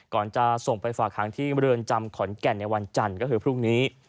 ก่อนจะส่งไปฝากหางที่เมืองจำขอนแก่นในวันจันทร์ก็คือพรุ่งนี้